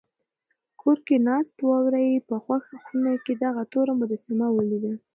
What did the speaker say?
کور کې ناست وراره یې په خونه کې دغه توره مجسمه ولیده.